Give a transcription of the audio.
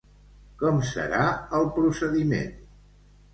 Com serà el procediment?